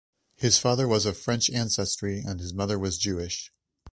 His father was of French ancestry and his mother was Jewish.